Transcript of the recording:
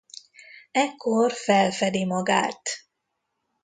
Ekkor felfedi magát.